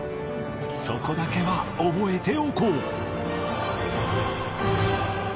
そこだけは覚えておこう！